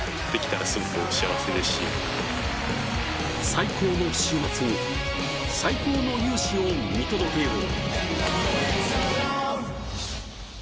最高の週末に最高の雄姿を見届けよう。